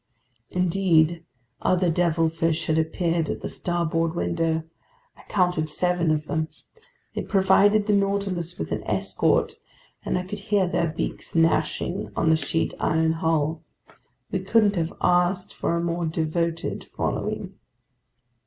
Indeed, other devilfish had appeared at the starboard window. I counted seven of them. They provided the Nautilus with an escort, and I could hear their beaks gnashing on the sheet iron hull. We couldn't have asked for a more devoted following.